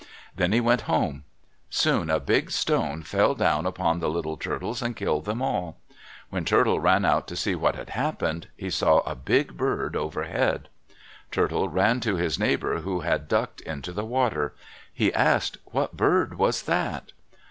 Then he went home. Soon a big stone fell down upon the little turtles and killed them all. When Turtle ran out to see what had happened, he saw a big bird overhead. Turtle ran to his neighbor who had ducked into the water. He asked, "What bird was that?"